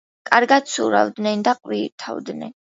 კარგად ცურავენ და ყვინთავენ.